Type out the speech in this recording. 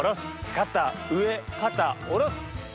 肩上肩下ろす。